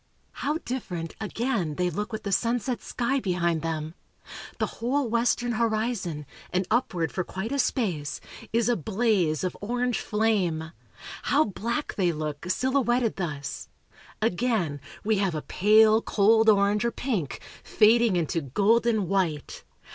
How different, again, they look with the sunset sky behind them! The whole western horizon, and upward for quite a space, is a blaze of orange flame! How black they look, silhouetted thus! Again, we have a pale, cold orange, or pink, fading into golden white!